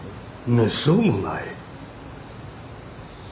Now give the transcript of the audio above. めっそうもない。